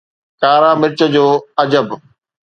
ڪارا مرچ جو عجب